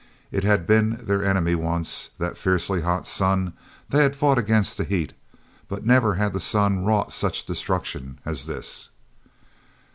It had been their enemy once, that fiercely hot sun; they had fought against the heat—but never had the sun wrought such destruction as this.